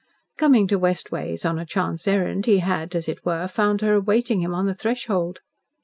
Coming to West Ways on a chance errand he had, as it were, found her awaiting him on the threshold.